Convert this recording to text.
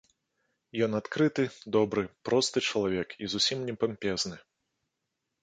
Ён адкрыты, добры, просты чалавек і зусім не пампезны.